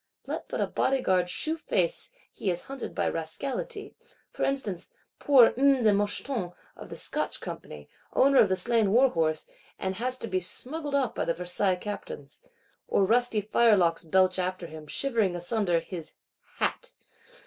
Let but a Bodyguard shew face, he is hunted by Rascality;—for instance, poor "M. de Moucheton of the Scotch Company," owner of the slain war horse; and has to be smuggled off by Versailles Captains. Or rusty firelocks belch after him, shivering asunder his—hat.